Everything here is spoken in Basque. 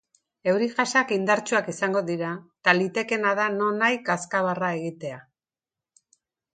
Euri-jasak indartsuak izango dira eta litekeena da nonahi kazkabarra egitea.